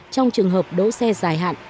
trong trường hợp đỗ xe dài hạn